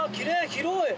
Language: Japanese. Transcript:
広い。